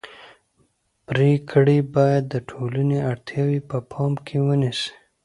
پرېکړې باید د ټولنې اړتیاوې په پام کې ونیسي